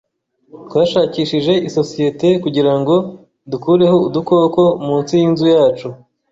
Twashakishije isosiyete kugirango dukureho udukoko munsi yinzu yacu.